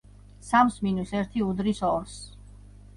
სამს მინუს ერთი უდრის ორს.